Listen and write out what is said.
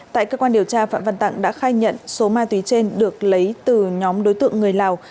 tại cơ quan điều tra phạm văn tặng đã khai nhận số ma túy trên được lấy từ nhóm đối tượng người lào